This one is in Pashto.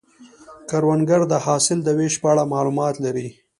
کروندګر د حاصل د ویش په اړه معلومات لري